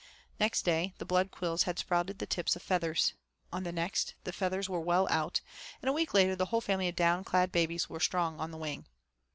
Next day the blood quills had sprouted the tips of feathers. On the next, the feathers were well out, and a week later the whole family of down clad babies were strong on the wing.